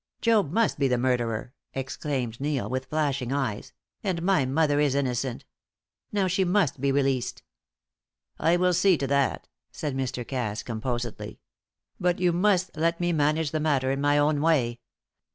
"Job must be the murderer!" exclaimed Neil, with flashing eyes, "and my mother is innocent. Now she must be released." "I will see to that," said Mr. Cass, composedly. "But you must let me manage the matter in my own way.